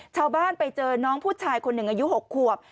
ชาวบ้านไปเจอน้องผู้ชายคนหนึ่งอายุ๖ขวบ